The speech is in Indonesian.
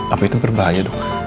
apa itu berbahaya dok